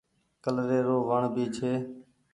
ڪلري رو وڻ ڀي ڇي۔